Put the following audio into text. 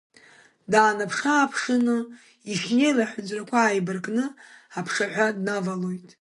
Даанаԥшы-ааԥшны ишьнел аҳәынҵәрақәа ааибаркны аԥшаҳәа днавалоит.